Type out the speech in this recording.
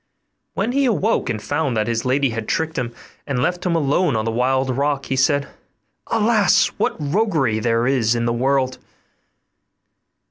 When he awoke and found that his lady had tricked him, and left him alone on the wild rock, he said, 'Alas! what roguery there is in the world!